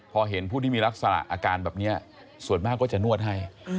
พอเห็นผู้ที่มีลักษณะอาการแบบนี้ส่วนมากก็จะนวดให้